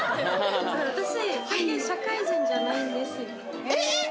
私１人だけ社会人じゃないんですよ。